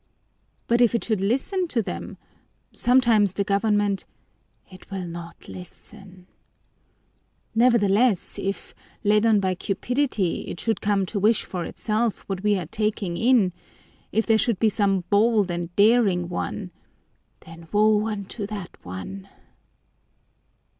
'" "But if it should listen to them? Sometimes the government " "It will not listen!" "Nevertheless, if, led on by cupidity, it should come to wish for itself what we are taking in if there should be some bold and daring one " "Then woe unto that one!"